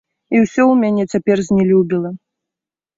І ўсё мне цяпер знелюбела.